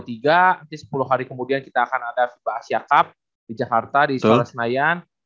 nanti sepuluh hari kemudian kita akan ada fiba asia cup di jakarta di istora senayan